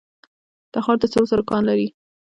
تخار د سرو زرو کان لري